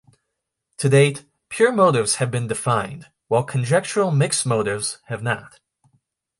To date, pure motives have been defined, while conjectural mixed motives have not.